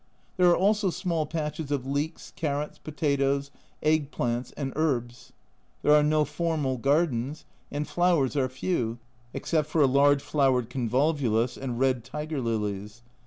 There are also small patches of leeks, carrots, potatoes, "egg plants," and herbs. There are no formal gardens, and flowers are few, except for a large flowered convolvulus and red tiger lilies.